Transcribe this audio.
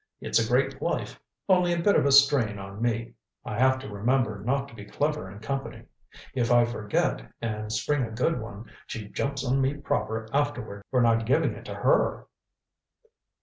It's a great life only a bit of a strain on me. I have to remember not to be clever in company. If I forget and spring a good one, she jumps on me proper afterward for not giving it to her."